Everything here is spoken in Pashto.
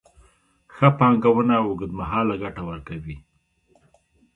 ښه پانګونه اوږدمهاله ګټه ورکوي.